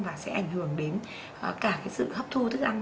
và sẽ ảnh hưởng đến cả cái sự hấp thu thức ăn